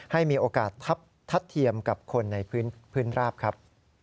ให้มีโอกาสทัดเทียมกับคนในพื้นราบครับ